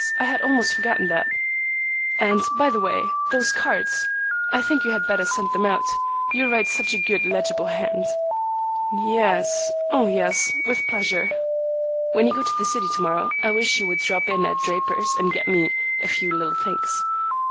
I had almost forgotten that." "And, by the way, those cards? I think you had better send them out: you write such a good, legible hand." "Y e s, oh yes. With pleasure." "When you go to the city to morrow, I wish you would drop in at Draper's and get me a few little things.